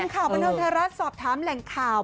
ข่าวบันเทิงไทยรัฐสอบถามแหล่งข่าว